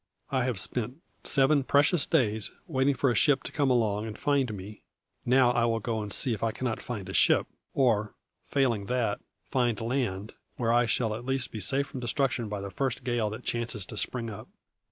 I have spent seven precious days waiting for a ship to come along and find me; now I will go and see if I cannot find a ship, or, failing that, find land, where I shall at least be safe from destruction by the first gale that chances to spring up."